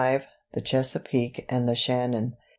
V. "The Chesapeake and the Shannon."